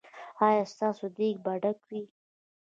ایا ستاسو دیګ به ډک وي؟